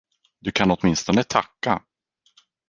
Du kan åtminstone tacka.